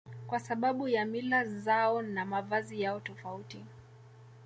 Kwa sababu ya mila zao na mavazi yao tofauti